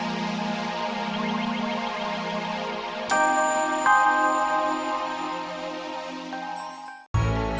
banyak yang didapat banyak yang didapati